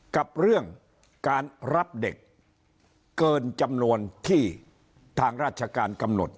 กับเรื่องการรับเด็กเกินจำนวนที่ทางราชการกำหนด